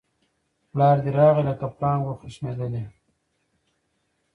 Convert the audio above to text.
پلار دی راغی لکه پړانګ وو خښمېدلی